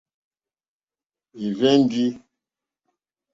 Ì rzɛ́ndī.